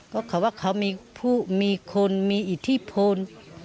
ก็เขาว่าเขามีคนมีอิทธิพล